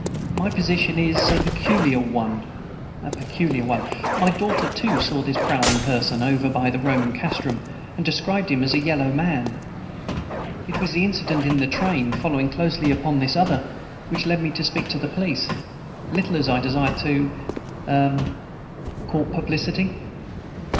My position is a peculiar one a peculiar one. My daughter, too, saw this prowling person, over by the Roman castrum, and described him as a yellow man. It was the incident in the train following closely upon this other, which led me to speak to the police, little as I desired to er court publicity."